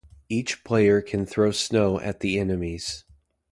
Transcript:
Each player can throw snow at the enemies.